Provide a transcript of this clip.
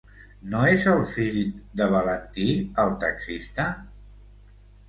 No és el fill de Valentí, el taxista?